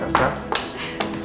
ya gue tak bisa